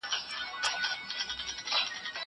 زه به اوږده موده زدکړه کړې وم!!